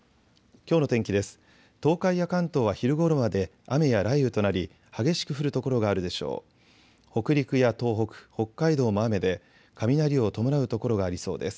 きょうの天気です。